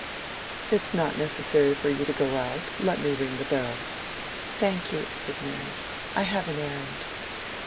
"It's not necessary for you to go out;—let me ring the bell." "Thank you," said Mary, "I have an errand."